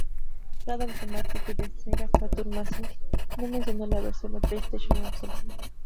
Rad Automatic de "Sega Saturn Magazine" no mencionó la versión de PlayStation en absoluto.